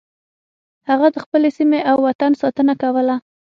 هغه د خپلې سیمې او وطن ساتنه کوله.